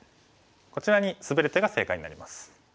こちらにスベる手が正解になります。